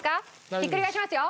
ひっくり返しますよ。